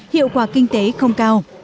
hiệu quả kinh tế không cao